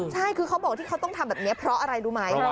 ใช่เฉพาะเขาต้องทำแบบนี้เพราะอะไรดูมั้ย